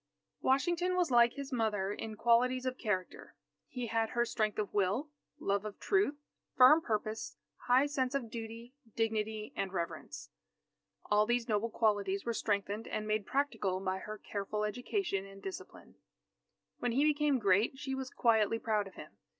Washington was like his mother in qualities of character. He had her strength of will, love of truth, firm purpose, high sense of duty, dignity, and reverence. All these noble qualities were strengthened and made practical by her careful education and discipline. When he became great, she was quietly proud of him.